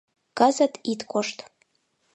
Кызыт ит кошт.